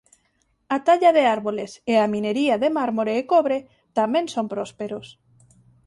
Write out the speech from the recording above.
A talla de árbores e a minería de mármore e cobre tamén son prósperos.